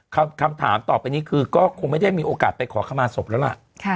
คำถามต่อไปนี้คือก็คงไม่ได้มีโอกาสไปขอขมาศพแล้วล่ะ